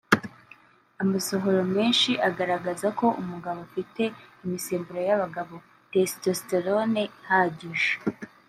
Amasohoro menshi agaragaza ko umugabo afite imisemburo y’abagabo (testosterone) ihagije